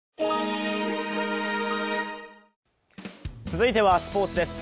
続いてはスポーツです。